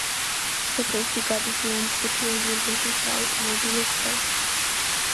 სოფელში გადის ლანჩხუთი-ოზურგეთის საავტომობილო გზა.